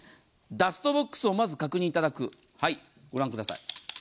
ダストボックスをまず確認いただく、御覧ください。